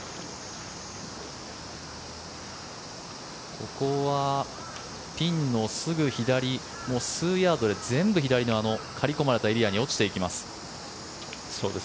ここはピンのすぐ左もう数ヤードで全部左のあの刈り込まれたエリアに落ちていきます。